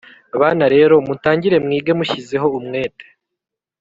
bana rero mutangire mwige mushyizeho umwete